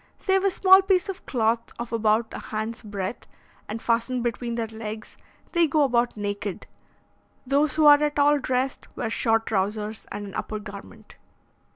Save a small piece of cloth of about a hand's breadth, and fastened between their legs, they go about naked. Those who are at all dressed, wear short trousers and an upper garment.